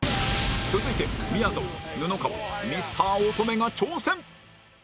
続いてみやぞん布川ミスター乙女が挑戦！